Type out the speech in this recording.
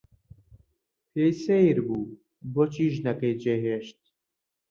پێی سەیر بوو بۆچی ژنەکەی جێی هێشت.